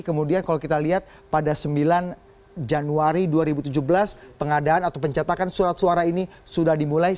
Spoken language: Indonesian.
kemudian kalau kita lihat pada sembilan januari dua ribu tujuh belas pengadaan atau pencetakan surat suara ini sudah dimulai